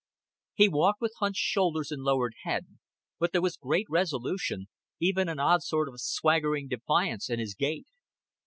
He walked with hunched shoulders and lowered head, but there was great resolution, even an odd sort of swaggering defiance in his gait.